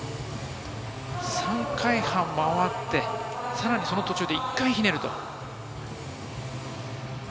３回半回って、さらにその途中で１回ひねると。